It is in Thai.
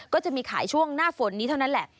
ก็จะมีขายช่วงหน้าฝนนี้เท่านั้นแหละ